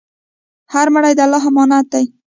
هر مړی د الله امانت دی.